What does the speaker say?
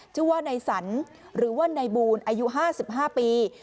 ชื่อว่าในสรรหรือว่าในบูรอายุ๕๕ปี